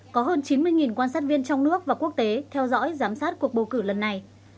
có hơn chín mươi quan sát viên trong nước và quốc tế theo dõi giám sát cuộc bầu cử lần này